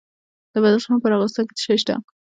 د بدخشان په راغستان کې څه شی شته؟